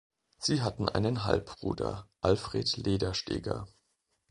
Sie hatte einen Halbbruder: Alfred Ledersteger.